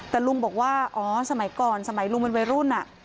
แต่ลุงบอกว่าอ๋อสมัยก่อนสมัยลุงเป็นวัยรุ่น